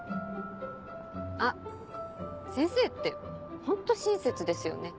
あっ先生ってホント親切ですよね。